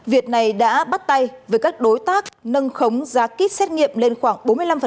việt này đã bắt tay với các đối tác nâng khống giá kýt xét nghiệm lên khoảng bốn mươi năm